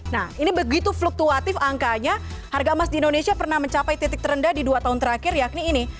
nah ini begitu fluktuatif angkanya harga emas di indonesia pernah mencapai titik terendah di dua tahun terakhir yakni ini